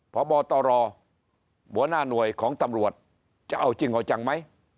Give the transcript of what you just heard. พบตรหัวหน้าหน่วยของตำรวจจะเอาจริงเอาจังไหม